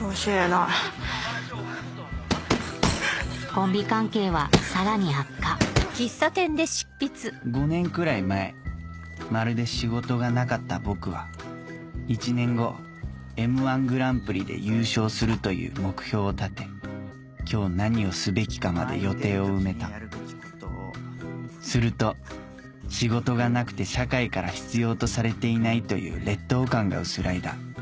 コンビ関係はさらに悪化５年くらい前まるで仕事がなかった僕は１年後『Ｍ−１グランプリ』で優勝するという目標を立て今日何をすべきかまで予定を埋めたすると仕事がなくて社会から必要とされていないという劣等感が薄らいだ